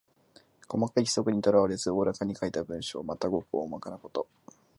細かい規則にとらわれず大らかに書いた文章。また、ごく大まかなこと。